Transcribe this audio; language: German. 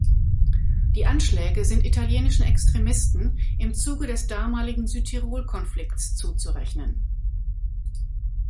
Die Anschläge sind italienischen Extremisten im Zuge des damaligen Südtirol-Konflikts zuzurechnen.